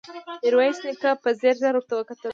ميرويس نيکه په ځير ځير ورته وکتل.